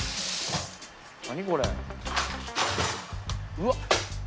「うわっ！